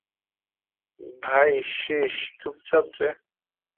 ভাই শ্রীশ, চুপচাপ যে!